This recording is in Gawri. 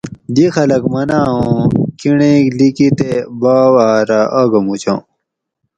دی خلک مناۤں اوں کِنڑیک لِکی تے باواۤ رہ آگہ مُوچاں